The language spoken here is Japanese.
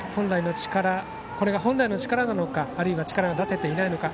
これが本来の力なのかあるいは力が出せていないのか。